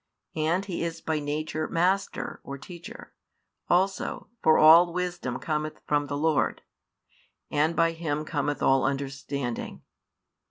And He is by nature "Master" [or "Teacher"] also, for all wisdom cometh from the Lord, and by Him cometh all understanding.